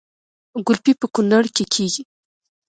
ګلپي په کونړ کې کیږي